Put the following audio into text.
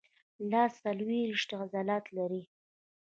لاس څلورویشت عضلات لري.